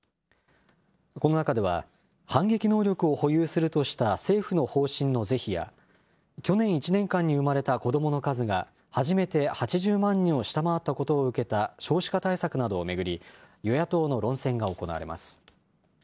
この中では、反撃能力を保有するとした政府の方針の是非や去年１年間に産まれた子どもの数が初めて８０万人を下回ったことを受けた少子化対策などを巡り、与野党の論戦が行われます。